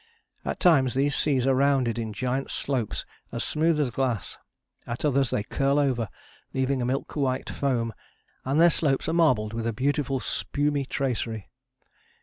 At times these seas are rounded in giant slopes as smooth as glass; at others they curl over, leaving a milk white foam, and their slopes are marbled with a beautiful spumy tracery.